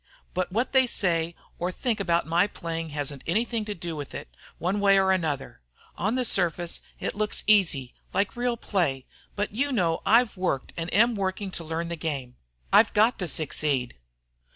But what they say or think about my playing hasn't anything to do with it, one way or another. On the surface it all looks easy, like real play. But you know how I've worked and am working to learn the game. I've got to succeed."